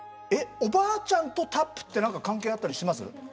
えおばあちゃんとタップって何か関係あったりします？